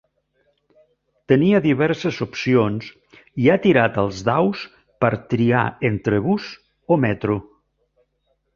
Tenia diverses opcions i ha tirat els daus per triar entre bus o metro.